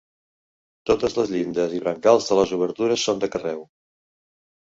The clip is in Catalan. Totes les llindes i brancals de les obertures són de carreu.